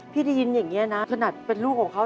ได้ยินอย่างนี้นะขนาดเป็นลูกของเขา